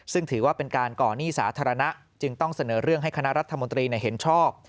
ซึ่งถือว่าเป็นการก่อหนี้สาธารณะจึงต้องเสนอเรื่องให้คณะรัฐมนตรีเห็นชอบ